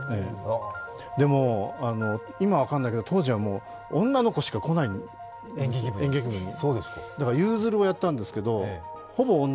でも、今分からないけど当時は女の子しか来ない、演劇部に。